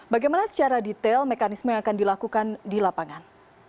bagaimana secara detail mekanisme yang akan dilakukan di lapangan